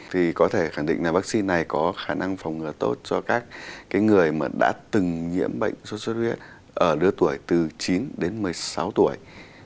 thì có thể khẳng định là vaccine này có khả năng phòng ngừa tốt cho các người mà đã từng nhiễm bệnh xuất xuất huyết ở lứa tuổi từ chín đến một mươi sáu tuổi